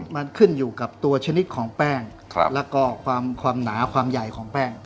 มันขึ้นอยู่กับตัวชนิดของแป้งแล้วก็ความหนาความใหญ่ของแป้ง